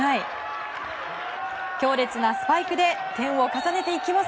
強烈なスパイクで点を重ねていきます。